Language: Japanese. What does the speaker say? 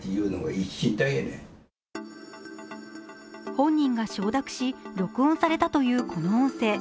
本人が承諾し、録音されたというこの音声。